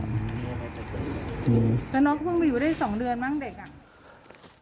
แต่น้องเขาเพิ่งมาอยู่ได้๒เดือนมั้งเด็ก